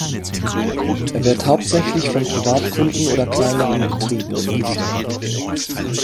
Er wird hauptsächlich von Privatkunden oder kleineren Betrieben genutzt.